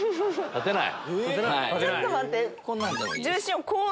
立てない！